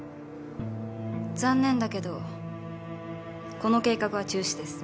残念だけどこの計画は中止です。